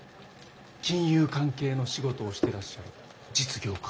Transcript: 金融関係の仕事をしてらっしゃる実業家。